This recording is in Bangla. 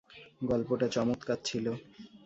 গল্পটা চমৎকার ছিল।